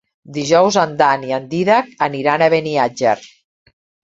Dijous en Dan i en Dídac aniran a Beniatjar.